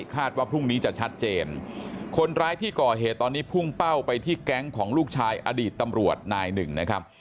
ว่าพรุ่งนี้จะชัดเจนคนร้ายที่ก่อเหตุตอนนี้พุ่งเป้าไปที่แก๊งของลูกชายอดีตตำรวจนายหนึ่งนะครับ